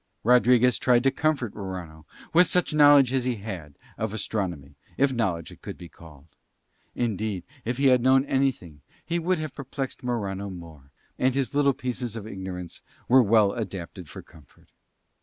Rodriguez tried to comfort Morano with such knowledge as he had of astronomy, if knowledge it could be called. Indeed, if he had known anything he would have perplexed Morano more, and his little pieces of ignorance were well adapted for comfort.